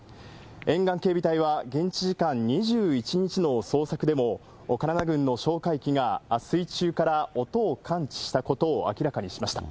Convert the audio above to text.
沿岸警備隊は現地時間２１日の捜索でも、カナダ軍の哨戒機が水中から音を感知したことを明らかにしました。